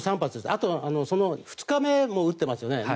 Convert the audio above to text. あと、２日目も撃ってますよね。